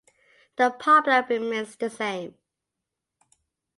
The problem remains the same.